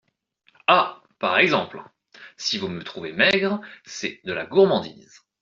Ah ! par exemple ! si vous me trouvez maigre… c’est de la gourmandise !